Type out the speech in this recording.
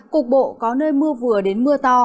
cục bộ có nơi mưa vừa đến mưa to